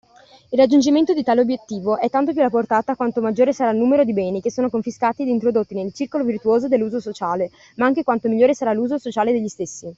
Il raggiungimento di tale obiettivo è tanto più alla portata quanto maggiore sarà il numero di beni che sono confiscati ed introdotti nel circolo virtuoso dell’uso sociale, ma anche quanto migliore sarà l’uso sociale degli stessi.